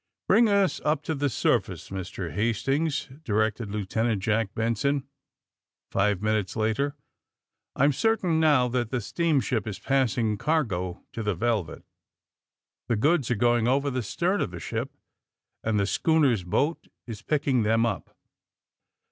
*^ Bring us up to the surface, Mr. Hastings!*' directed Lieutenant Jack Benson, five minutes later. I^m certain, now, that the steamship is passing cargo to the * Velvet.' The goods are going over the stern of the ship and the schooner's boat is picking them up."